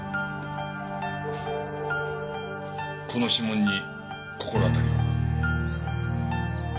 この指紋に心当たりは？